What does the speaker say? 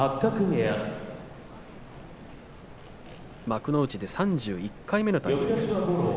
幕内で３１回目の対戦です。